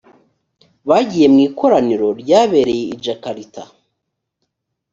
bagiye mu ikoraniro ryabereye i jakarta